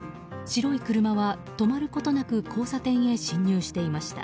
映像を確認すると白い車は止まることなく交差点へ進入していました。